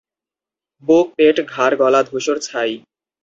বুক-পেট-ঘাড়-গলা ধূসর ছাই।